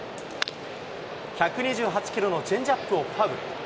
１２８キロのチェンジアップをファウル。